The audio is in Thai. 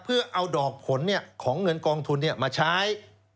เพื่อเอาดอกผลของเงินกองทุนมาใช้